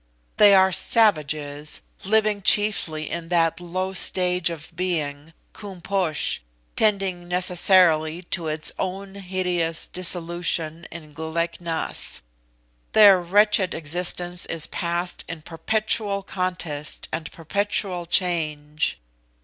They are savages, living chiefly in that low stage of being, Koom Posh, tending necessarily to its own hideous dissolution in Glek Nas. Their wretched existence is passed in perpetual contest and perpetual change.